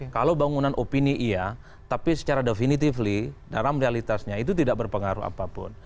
kalau bangunan opini iya tapi secara definitif dalam realitasnya itu tidak berpengaruh apapun